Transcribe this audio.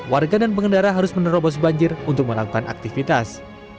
warga dan pengendara harus menerobos banjir untuk melakukan aktivitas